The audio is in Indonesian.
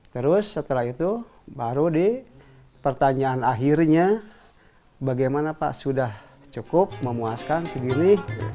terus setelah itu baru di pertanyaan akhirnya bagaimana pak sudah cukup memuaskan segini